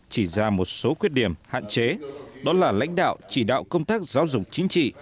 chỉ ra một số khuyết điểm hạn chế đó là lãnh đạo chỉ đạo công tác giáo dục chính trị